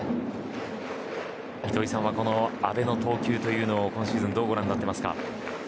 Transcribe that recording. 糸井さんは阿部の投球を今シーズンどうご覧になっていますか。